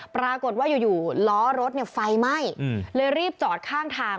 ปรากฏว่าอยู่ล้อรถไฟไหม้เลยรีบจอดข้างทาง